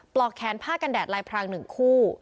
ปลอกแขนผ้ากันแดดลายพรางหนึ่งคู่